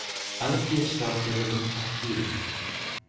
Alle vier Staubblätter sind fertil.